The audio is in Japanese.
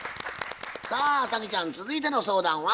さあ早希ちゃん続いての相談は？